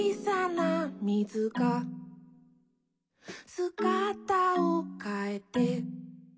「すがたをかえて」